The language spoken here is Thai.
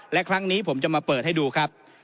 และครั้งนี้ผมจะมาเปิดให้ดูครับ